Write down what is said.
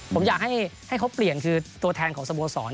ผมอยากให้เขาเปลี่ยนคือตัวแทนของสโมสร